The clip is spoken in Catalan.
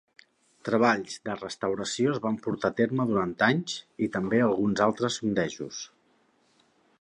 Treballs de restauració es van portar a terme durant anys i també alguns altres sondejos.